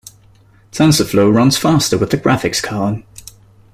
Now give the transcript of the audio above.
Tensorflow runs faster with a graphics card.